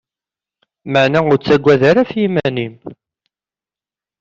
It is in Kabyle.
Maɛna ur tugadeḍ ara ɣef yiman-im.